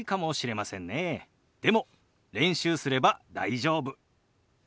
でも練習すれば大丈夫。